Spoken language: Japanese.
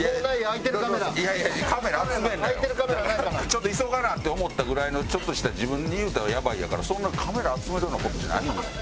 ちょっと急がなって思ったぐらいのちょっとした自分に言うた「やばい」やからそんなカメラ集めるような事じゃないねん。